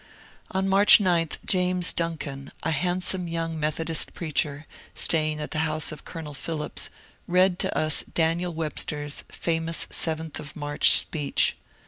On March 9 James Duncan, a handsome young Methodist preacher, staying at the house of Colonel Phillips, read to us Daniel Webster's famous seventh of March speech.